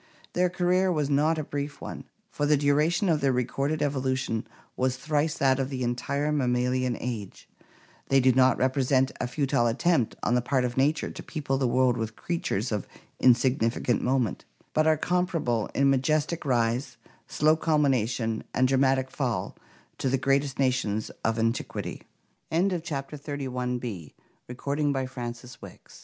Their career was not a brief one, for the duration of their recorded evolution was thrice that of the entire mammalian age. They do not repre sent a futile attempt on the part of nature to people the world with creatures of insignificant moment, but are comparable in 53^ ORGANIC EVOLUTION majestic rise, slow culmination, and dramatic fall to the greatest nations of antiquity osiers OF BTKDS Von Huen